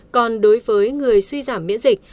còn đối với người suy giảm miễn dịch